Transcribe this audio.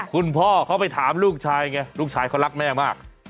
คุณพ่อเขาไปถามลูกชายไงลูกชายเขารักแม่มาก